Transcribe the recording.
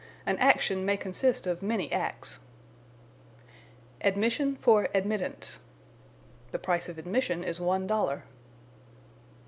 An action may consist of many acts. Admission for Admittance. "The price of admission is one dollar."